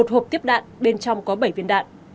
một hộp tiếp đạn bên trong có bảy viên đạn